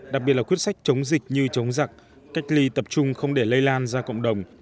đặc biệt là quyết sách chống dịch như chống giặc cách ly tập trung không để lây lan ra cộng đồng